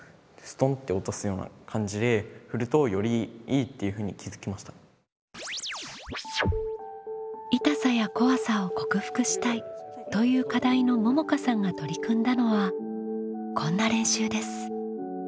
どっちかというと「痛さや怖さを克服したい」という課題のももかさんが取り組んだのはこんな練習です。